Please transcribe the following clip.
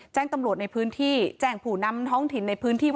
แจ้งตำรวจในพื้นที่แจ้งผู้นำท้องถิ่นในพื้นที่